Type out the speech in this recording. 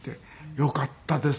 よかったです。